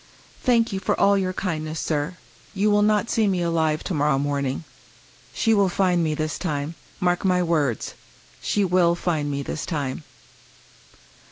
" Thank you for all your kindness, sir. You will not see me alive to morrow morning. She will find me this time. Mark my words — she will find me this time."